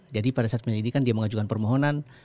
jadi pada saat penyelidikan dia mengajukan permohonan